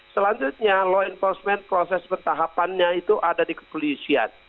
selanjutnya law enforcement proses pentahapannya itu ada di kepolisian